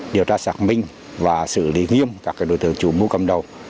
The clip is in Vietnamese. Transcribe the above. điều tra xác minh và xử lý nghiêm các đối tượng chủ mưu cầm đầu